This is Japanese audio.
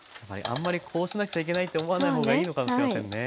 あんまりこうしなくちゃいけないって思わない方がいいのかもしれませんね。